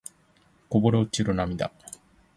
こぼれ落ちる涙